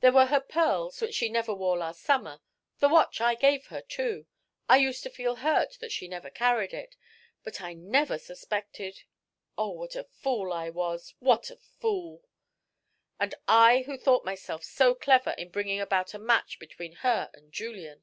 There were her pearls, which she never wore last summer; the watch I gave her, too I used to feel hurt that she never carried it, but I never suspected Oh, what a fool I was what a fool! And I who thought myself so clever in bringing about a match between her and Julian!"